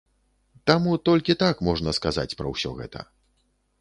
Таму толькі так можна сказаць пра ўсё гэта.